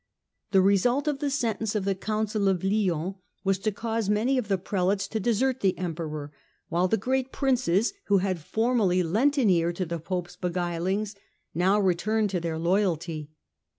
The result of the sentence of the Council of Lyons was to cause many of the Prelates to desert the Emperor ; while the great Princes, who had formerly lent an ear to the Pope's beguilings, now returned to their loyalty.